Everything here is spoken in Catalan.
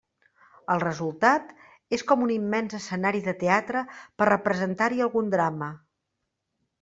El resultat és com un immens escenari de teatre per representar-hi algun drama.